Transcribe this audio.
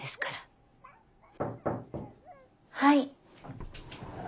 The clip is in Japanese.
はい。